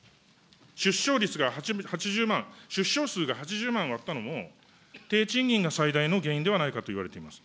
出生率が８０万、出生数が８０万を割ったのも、低賃金が最大の原因ではないかといわれています。